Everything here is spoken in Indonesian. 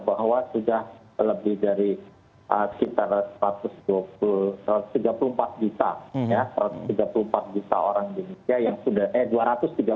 bahwa sudah lebih dari sekitar satu ratus tiga puluh empat juta orang di indonesia